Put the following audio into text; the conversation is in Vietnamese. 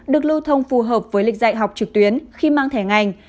được lưu thông phù hợp với lịch dạy học trực tuyến khi mang thẻ ngành